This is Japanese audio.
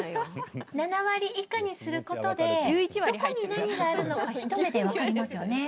７割以下にすることでどこに何があるのか一目で分かりますよね。